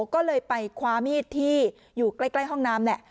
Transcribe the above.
ก็เลยไปคว้ามีดที่อยู่ใกล้ห้องน้ำแหละ